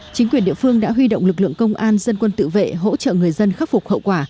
chính quyền địa phương đã huy động lực lượng công an dân quân tự vệ hỗ trợ người dân khắc phục hậu quả